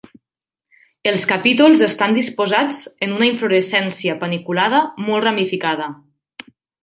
Els capítols estan disposats en una inflorescència paniculada molt ramificada.